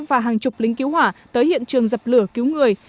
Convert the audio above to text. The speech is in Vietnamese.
và hàng chục lính cứu hỏa tới hiện trường dập lửa cứu người